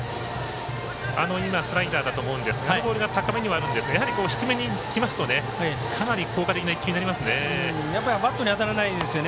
今、スライダーだと思うんですがあのボールが高めでしたが低めにきますとかなり効果的な１球になりますね。